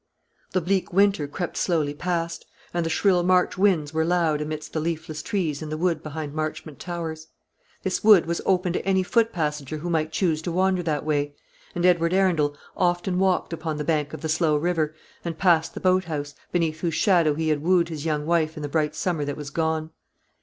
The bleak winter crept slowly past, and the shrill March winds were loud amidst the leafless trees in the wood behind Marchmont Towers. This wood was open to any foot passenger who might choose to wander that way; and Edward Arundel often walked upon the bank of the slow river, and past the boat house, beneath whose shadow he had wooed his young wife in the bright summer that was gone.